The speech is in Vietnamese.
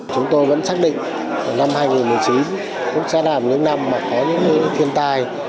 chúng tôi vẫn xác định năm hai nghìn một mươi chín cũng sẽ là những năm mà có những thiên tai